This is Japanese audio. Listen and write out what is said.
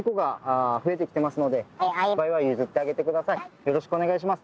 よろしくお願いします。